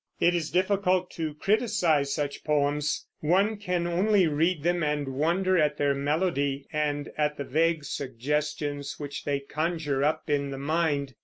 It is difficult to criticise such poems; one can only read them and wonder at their melody, and at the vague suggestions which they conjure up in the mind.